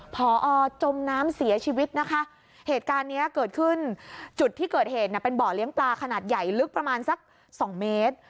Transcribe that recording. พอจมน้ำเสียชีวิตนะคะเหตุการณ์เนี้ยเกิดขึ้นจุดที่เกิดเหตุเนี่ยเป็นบ่อเลี้ยงปลาขนาดใหญ่ลึกประมาณสักสองเมตร